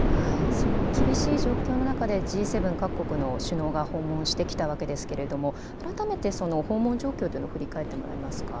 その厳しい状況の中でＧ７各国の首脳が訪問してきたわけですが改めて訪問状況というのを振り返ってもらえますか。